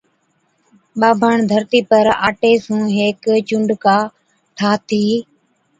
ٻانڀڻ ڌرتِي پر آٽي سُون ھيڪ چوڪُنڊا ٺاهٿِي